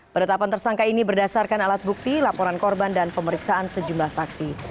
penetapan tersangka ini berdasarkan alat bukti laporan korban dan pemeriksaan sejumlah saksi